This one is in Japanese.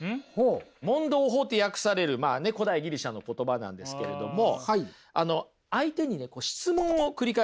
「問答法」って訳される古代ギリシャの言葉なんですけれども。